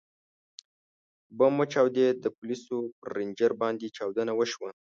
ـ بم وچاودېد، د پولیسو پر رینجر باندې چاودنه وشوه.